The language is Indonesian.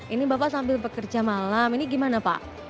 ini bapak sambil bekerja malam ini gimana pak